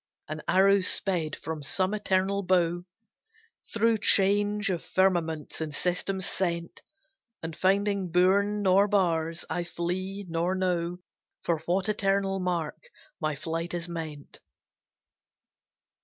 An arrow sped from some eternal bow, Through change of firmaments and systems sent, And finding bourn nor bars, I flee, nor know For what eternal mark my flight is meant.